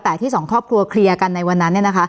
แต่ที่สองครอบครัวเคลียร์กันในวันนั้น